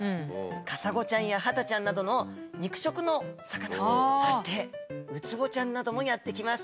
カサゴちゃんやハタちゃんなどの肉食の魚そしてウツボちゃんなどもやって来ます。